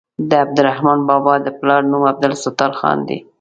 د عبدالرحمان بابا د پلار نوم عبدالستار خان دی.